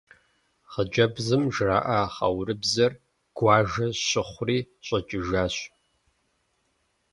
Хъыджэбзым жраӏа хъэурыбзэр гуажэ щыхъури щӏэкӏыжащ.